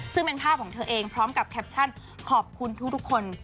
ซึ่งเป็นภาพของเธอเองพร้อมกับแคปชั่นขอบคุณทุกคน